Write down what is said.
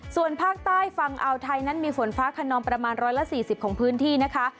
ส่วนภาคใต้ฝั่งอาวไทยนั้นมีฝนฟ้าขนองประมาณ๑๔๐ของพื้นที่นะคะ